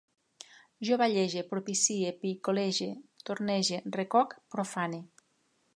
Jo vallege, propicie, picolege, tornege, recoc, profane